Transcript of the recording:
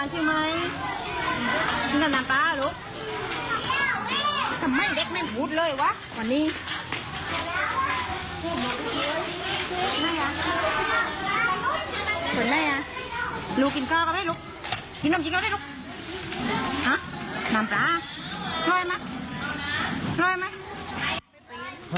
หมอโทษครับ